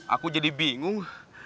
aku jadi bingung